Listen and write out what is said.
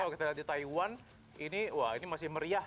kalau kita lihat di taiwan ini masih meriah